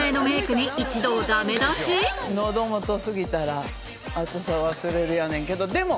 喉元過ぎたら熱さ忘れるやねんけどでも。